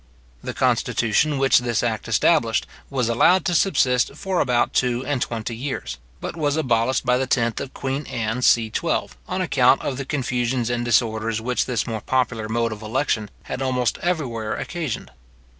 The constitution which this act established, was allowed to subsist for about two and twenty years, but was abolished by the 10th of queen Anne, ch.12, on account of the confusions and disorders which this more popular mode of election had almost everywhere occasioned.